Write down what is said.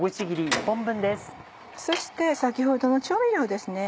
そして先ほどの調味料です。